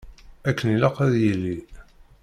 Akken i ilaq ad yili.